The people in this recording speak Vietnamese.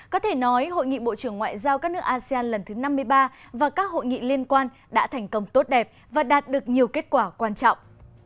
có thể nói hội nghị bộ trưởng ngoại giao các nước asean lần thứ năm mươi ba và các hội nghị liên quan đã thành công tốt đẹp và đạt được nhiều kết quả quan trọng